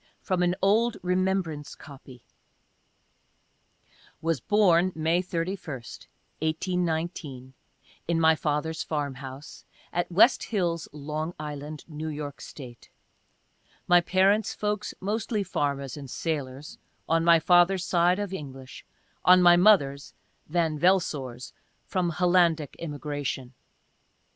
From an old "remembrance copy." Was born May 31, 18 1 9, in my father's farm house, at West Hills, L. I., New York State. My parents' folks mostly farmers and sailors — on my father's side, of English — on my mother's, (Van Velsor's,) from Hollandic immigration.